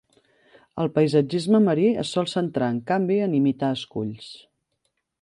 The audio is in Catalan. El paisatgisme marí es sol centrar, en canvi, en imitar esculls.